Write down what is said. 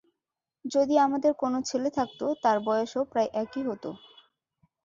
যদি আমাদের কোনও ছেলে থাকত, তার বয়সও প্রায় একই হতো।